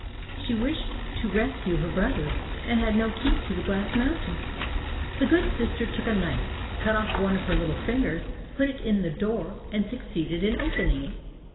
She wished to rescue her brothers, and had no key to the Glass mountain. The good sister took a knife, cut off one of her little fingers, put it in the door, and succeeded in opening it.